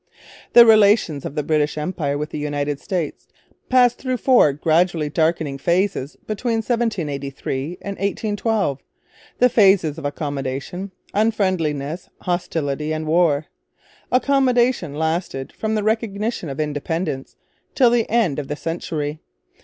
The relations of the British Empire with the United States passed through four gradually darkening phases between 1783 and 1812 the phases of Accommodation, Unfriendliness, Hostility, and War. Accommodation lasted from the recognition of Independence till the end of the century.